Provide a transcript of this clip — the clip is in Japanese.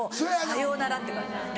さようならって感じです。